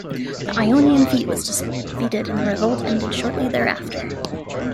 The Ionian fleet was defeated and the revolt ended shortly thereafter.